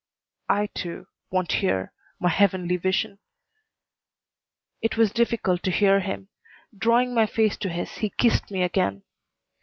"I, too, want here my heavenly vision." It was difficult to hear him. Drawing my face to his, he kissed me again.